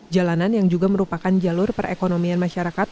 jalanan yang juga merupakan jalur perekonomian masyarakat